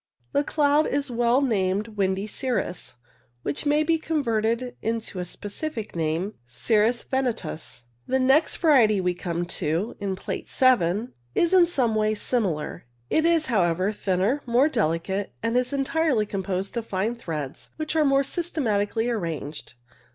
The cloud is well named windy cirrus, which may be converted into a specific name, cirrus ventosus. The next variety we come to (Plate 7) is in some ways rather similar. It is, however, thinner, more delicate, and is entirely composed of fine threads, which are more systematically arranged.